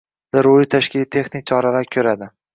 zarur tashkiliy-texnik choralar ko‘radi.